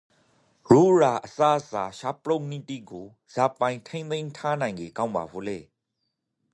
ရိုးရာအစားအစာချက်ပြုတ်နည်းတိကိုဇာပိုင်ထိန်းသိမ်းထားနိုင်ကေ ကောင်းပါဖို့လဲ?